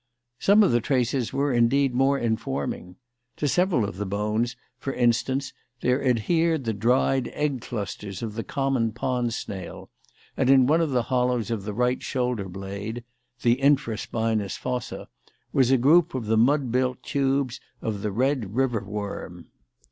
Some of the traces were, indeed, more informing. To several of the bones, for instance, there adhered the dried egg clusters of the common pond snail, and in one of the hollows of the right shoulder blade (the "infra spinous fossa") was a group of the mud built tubes of the red river worm.